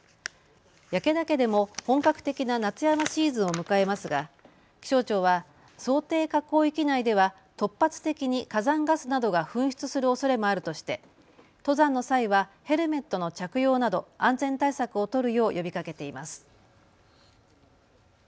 焼岳でも本格的な夏山シーズンを迎えますが気象庁は想定火口域内では突発的に火山ガスなどが噴出するおそれもあるとして登山の際はヘルメットの着用など安全対策を取るよう呼びかけています。